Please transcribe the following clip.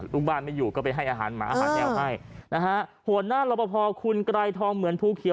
ลูกบ้านไม่อยู่ก็ไปให้อาหารหมาอาหารแนวให้นะฮะหัวหน้ารอปภคุณไกรทองเหมือนภูเขียว